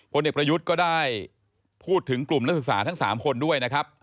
เด็กประยุทธ์ก็ได้พูดถึงกลุ่มนักศึกษาทั้ง๓คนด้วยนะครับ